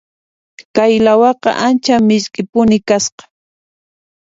Kay lawachaqa ancha misk'ipuni kasqa.